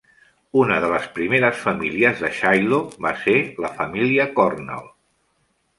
Una de les primeres famílies de Shiloh va ser la família Cornell.